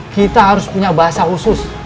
kita harus punya bahasa khusus